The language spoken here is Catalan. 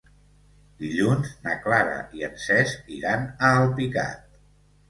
Dilluns na Clara i en Cesc iran a Alpicat.